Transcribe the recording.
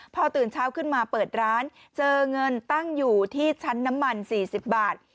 พอตื่นเช้าขึ้นมาเปิดร้านเจอเงินตั้งอยู่ที่ชั้นน้ำมัน๔๐บาท